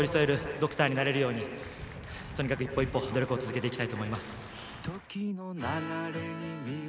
ドクターになれるようにとにかく一歩一歩努力を続けていきたいと思います。